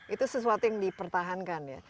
itu sesuatu yang dipertahankan ya